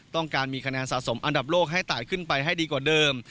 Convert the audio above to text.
ต้องการมีคะแนนสะสมอันดับโลกให้ตายขึ้นไปให้ดีกว่าเดิม